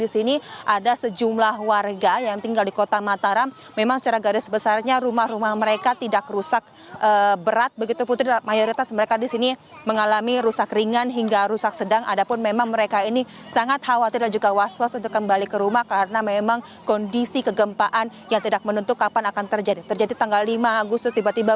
sedangkan memang secara garis besarnya bantuan ini memang belum diketahui